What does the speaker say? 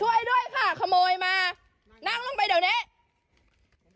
หมอบลงไปเดี๋ยวนี้ช่วยด้วยค่ะขโมยมานั่งลงไปเดี๋ยวนี้